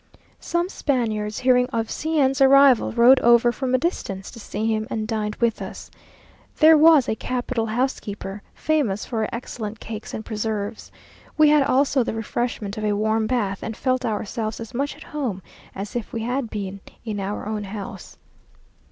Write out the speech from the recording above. Some Spaniards, hearing of C n's arrival, rode over from a distance to see him, and dined with us. There was a capital housekeeper, famous for her excellent cakes and preserves. We had also the refreshment of a warm bath, and felt ourselves as much at home as if we had been in our own house.